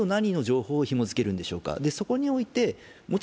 何と何の情報をひも付けるんでしょうか。